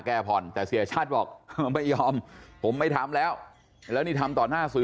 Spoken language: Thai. แก้ผ่อนแต่เสียชัดบอกไม่ยอมผมไม่ทำแล้วแล้วนี่ทำต่อหน้าสื่อ